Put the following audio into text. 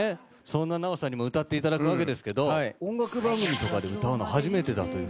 そんな奈緒さんにも歌っていただくわけですけど音楽番組で歌うの初めてだと。